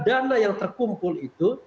dana yang terkumpul itu